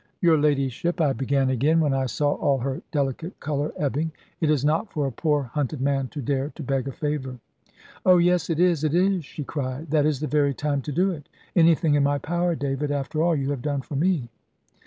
"Your ladyship," I began again, when I saw all her delicate colour ebbing; "it is not for a poor hunted man to dare to beg a favour." "Oh yes, it is, it is," she cried; "that is the very time to do it. Anything in my power, David, after all you have done for me."